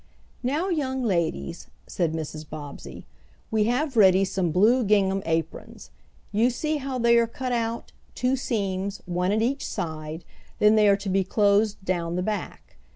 "Now, young ladies," said Mrs. Bobbsey, "we have ready some blue gingham aprons. You see how they are cut out; two seams, one at each side, then they are to be closed down the back.